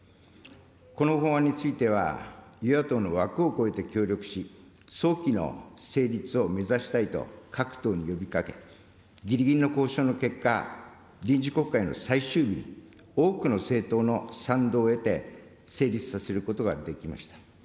この法案については、与野党の枠を超えて協力し、早期の成立を目指したいと各党に呼びかけ、ぎりぎりの交渉の結果、臨時国会の最終日に、多くの政党の賛同を得て、成立させることができました。